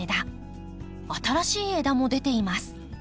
新しい枝も出ています。